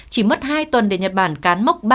chỉ mất hai tuần để nhật bản cán mốc